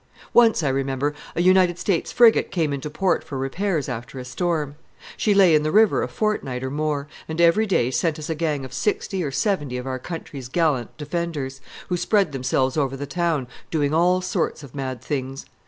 Once, I remember, a United States frigate came into port for repairs after a storm. She lay in the river a fortnight or more, and every day sent us a gang of sixty or seventy of our country's gallant defenders, who spread themselves over the town, doing all sorts of mad things.